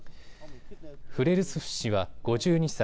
フレルスフ氏は５２歳。